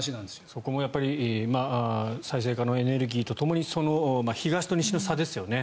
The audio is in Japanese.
そこもやっぱり再生可能エネルギーとともに東と西の差ですよね。